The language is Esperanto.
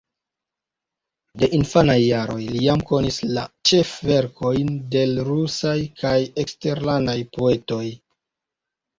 De infanaj jaroj li jam konis la ĉefverkojn de l' rusaj kaj eksterlandaj poetoj.